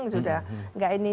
sudah enggak ini